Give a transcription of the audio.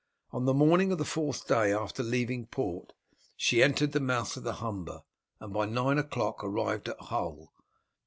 On the morning of the fourth day after leaving port she entered the mouth of the Humber, and by nine o'clock arrived at Hull.